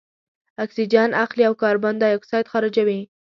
اکسیجن اخلي او کاربن دای اکساید خارجوي.